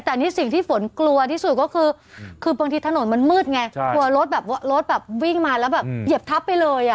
แต่นี่สิ่งที่ฝนกลัวที่สุดก็คือคือบางทีถนนมันมืดไงรถแบบวิ่งมาแล้วแบบเหยียบทับไปเลยอะ